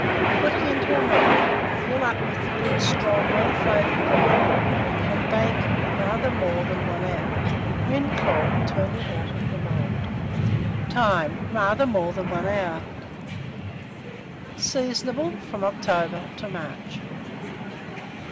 Put it into a mould, fill up with good strong well flavoured gravy, and bake rather more than one hour. When cold, turn it out of the mould. Time. Rather more than 1 hour. Seasonable from October to March.